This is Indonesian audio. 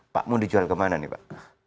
pak mun dijual kemana nih pak